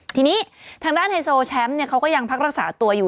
ทีนี้ทางด้านไฮโซแชมป์เขาก็ยังพักรักษาตัวอยู่